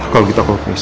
kalau gitu aku missi